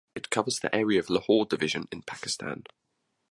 It covers the area of Lahore Division in Pakistan.